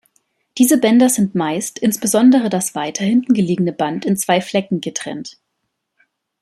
Diese Bänder sind meist, insbesondere das weiter hinten gelegene Band, in zwei Flecken getrennt.